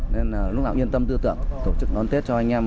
nên là lúc nào cũng yên tâm tư tưởng tổ chức đón tết cho anh em